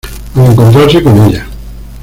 Al encontrarse con ella.